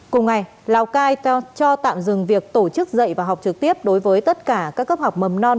cùng ngày lào cai cho tạm dừng việc tổ chức dạy và học trực tiếp đối với tất cả các cấp học mầm non